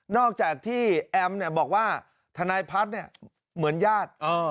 อกจากที่แอมบอกว่าทนายพัฒน์เหมือนญาติ